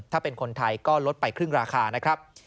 ถ้าเป็นคนไทยก็ลดไปครึ่งราคานะครับ